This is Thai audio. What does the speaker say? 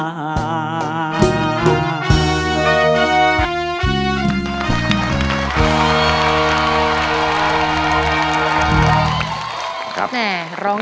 โปรยโมธนามุมาญยามี